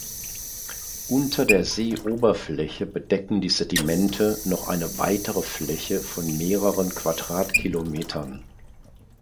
Unter der Seeoberfläche bedecken die Sedimente noch eine weitere Fläche von mehreren Quadratkilometern.